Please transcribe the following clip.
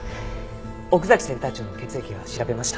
奥崎センター長の血液は調べました？